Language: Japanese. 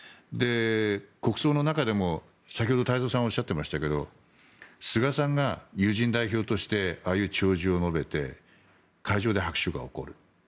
国葬の中でも、先ほど太蔵さんがおっしゃってましたけど菅さんが友人代表としてああいう弔辞を述べて会場で拍手が起こる。